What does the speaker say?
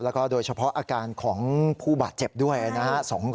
แล้วก็โดยเฉพาะอาการของผู้บาดเจ็บด้วยนะครับ